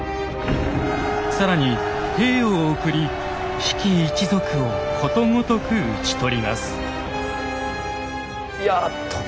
更に兵を送り比企一族をことごとく討ち取ります。